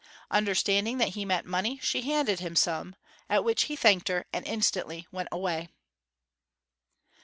Understanding that he meant money, she handed him some, at which he thanked her, and instantly went away.